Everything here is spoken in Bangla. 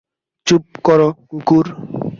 চুপ কর, কুকুর!